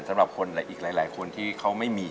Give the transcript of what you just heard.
สำหรับคนอีกหลายคนที่เขาไม่มี